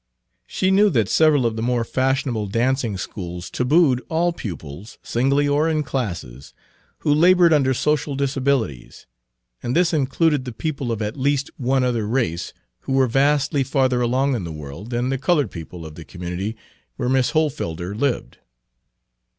She knew that several of the more fashionable dancing schools tabooed all pupils, singly or in classes, who labored under social disabilities and this included the people of at least one other race who were vastly farther along in the world than the colored people of the community where Miss Hohlfelder lived.